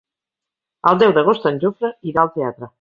El deu d'agost en Jofre irà al teatre.